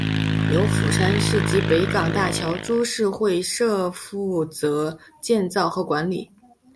由釜山市及北港大桥株式会社负责建造和管理。